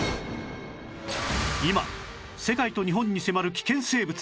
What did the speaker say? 今世界と日本に迫る危険生物